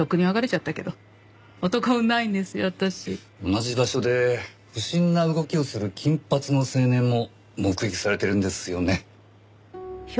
同じ場所で不審な動きをする金髪の青年も目撃されてるんですよね。